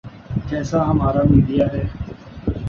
جیسا ہمارا میڈیا ہے۔